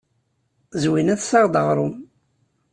Zwina tessaɣ-d aɣrum.